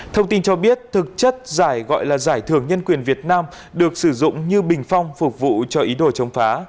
thông tin cho biết thực chất giải gọi là giải thưởng nhân quyền việt nam được sử dụng như bình phong phục vụ cho ý đồ chống phá